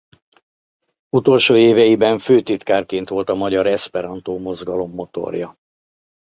Utolsó éveiben főtitkárként volt a magyar eszperantó mozgalom motorja.